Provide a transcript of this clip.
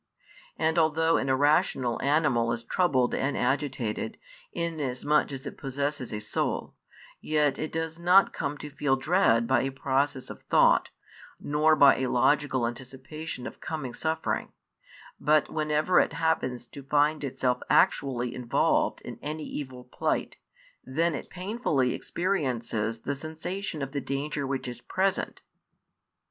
And although an irrational animal is troubled and agitated, inasmuch as it possesses a soul, yet it does not come to feel dread by a process of thought, nor by a logical anticipation of coming suffering, but whenever it happens to find itself actually involved in any evil plight, then it painfully experiences the sensation of the danger which is present.